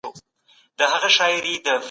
پینګون 🐧